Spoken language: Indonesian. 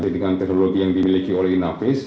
dengan teknologi yang dimiliki oleh inavis